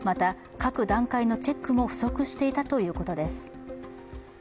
、各段階のチェックも不足していたということです。